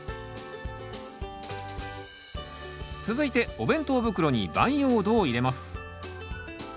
続いてお弁当袋に培養土を入れます。